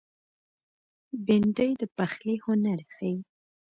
بېنډۍ د پخلي هنر ښيي